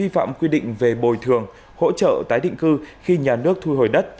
tội vi phạm quy định về bồi thường hỗ trợ tái định cư khi nhà nước thu hồi đất